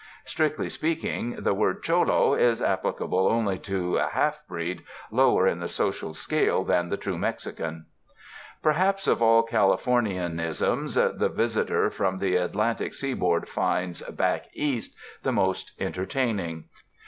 Strictly speaking the term ''cholo" is applicable only to a half breed, lower in the social scale than the true Mexican. Perhaps of all Californianisms, the visitor from the Atlantic seaboard finds "back East" the most entertaining.